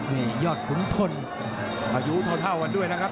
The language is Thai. นี่ยอดขุนทนอายุเท่ากันด้วยนะครับ